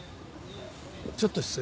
ちょっと失礼。